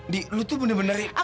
di lo tuh bener bener yang